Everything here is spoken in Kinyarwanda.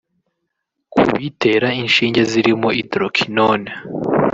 Ku bitera inshinge zirimo Hydroquinone